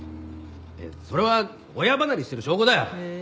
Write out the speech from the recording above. いやそれは親離れしてる証拠だ！へ。